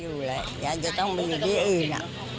อยู่แหละยังจะต้องมีที่อื่น